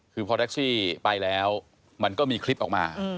คือพอแท็กซี่ไปแล้วมันก็มีคลิปออกมา